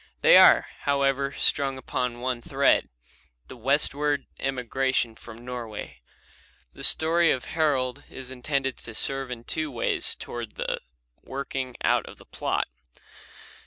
They are, however, strung upon one thread, the westward emigration from Norway. The story of Harald is intended to serve in two ways towards the working out of this plot.